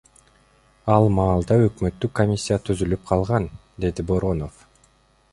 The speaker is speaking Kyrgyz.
Ал маалда өкмөттүк комиссия түзүлүп калган, — деди Боронов.